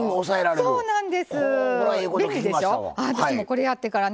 そうなんです。